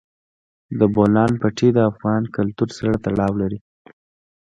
د بولان پټي د افغان کلتور سره تړاو لري.